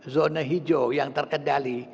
zone hijau yang terkendali